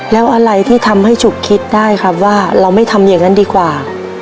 แล้วอะไรที่ทำให้ฉุกคิดได้ครับว่าเราไม่ทำอย่างนั้นดีกว่า